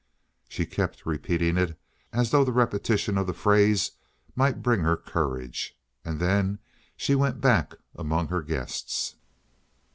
She kept repeating it, as though the repetition of the phrase might bring her courage. And then she went back among her guests.